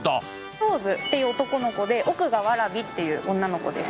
ローズという男の子で奥がわらびという女の子です。